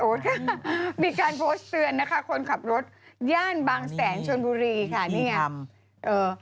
โพสต์ค่ะมีการโพสต์เตือนนะคะคนขับรถย่านบางแสนชนบุรีค่ะนี่ไงครับเอ่อ